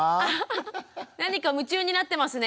何か夢中になってますね